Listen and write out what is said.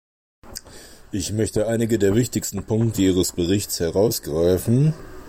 Ich möchte einige der wichtigsten Punkte ihres Berichts herausgreifen.